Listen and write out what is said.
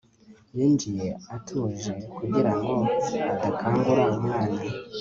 yinjiye atuje kugira ngo adakangura umwana